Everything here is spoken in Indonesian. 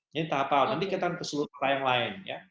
ini tahap awal nanti kita akan keseluruhan yang lain